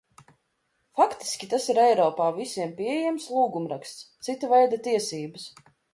Faktiski tas ir Eiropā visiem pieejams lūgumraksts, cita veida tiesības.